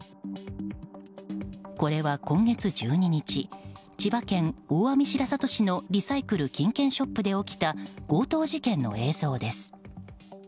これは、今月１２日千葉県大網白里市のリサイクル金券ショップで起きた強盗事件の映像です。